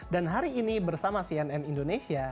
dan hari ini bersama cnn indonesia